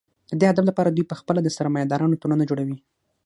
د دې هدف لپاره دوی په خپله د سرمایه دارانو ټولنه جوړوي